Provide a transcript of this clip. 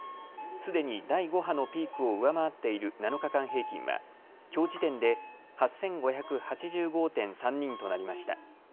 すでに第５波のピークを上回っている７日間平均はきょう時点で８５８５．３人となりました。